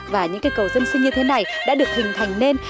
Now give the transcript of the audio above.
và những cây cầu dân sinh như thế này đã được hình thành nên